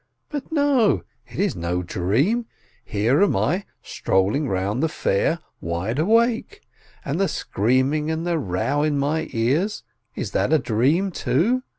But no, it is no dream ! "Here I am strolling round the fair, wide awake. And the screaming and the row in my ears, is that a dream, too?